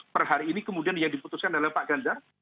per hari ini kemudian yang diputuskan oleh pak ganjar